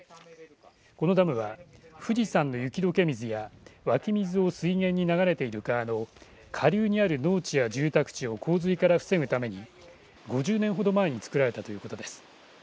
このダムは富士山の雪どけ水や湧き水を水源に流れている川の下流にある農地や住宅地を洪水から防ぐために５０年ほど前につくられたということです。